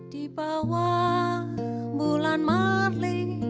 di bawah bulan marli